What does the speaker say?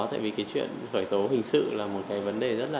tại vì cái chuyện khởi tố hình sự là một cái vấn đề rất là